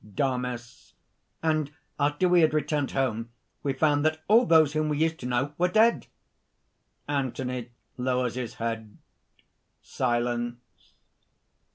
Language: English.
DAMIS. "And after we had returned home, we found that all those whom we used to know, were dead." (_Anthony lowers his head. Silence.